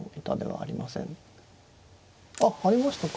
あっ跳ねましたか。